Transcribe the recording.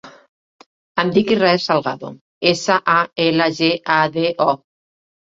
Em dic Israel Salgado: essa, a, ela, ge, a, de, o.